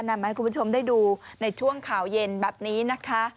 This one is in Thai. นำมาให้คุณผู้ชมได้ดูในช่วงข่าวเย็นแบบนี้นะคะ